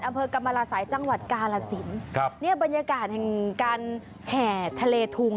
อำเฟิร์นกรรมรสายจังหวัดกาลสินค่ะเนี่ยบรรยากาศแหกันแห่ทะเลทุง